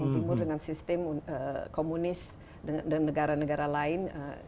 timur dengan sistem komunis dan negara negara lain